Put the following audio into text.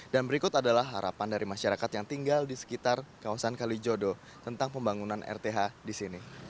dan berikut adalah harapan dari masyarakat yang tinggal di sekitar kawasan kalijodo tentang pembangunan rth di sini